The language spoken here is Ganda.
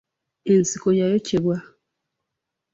Ensiko yayokyebwa.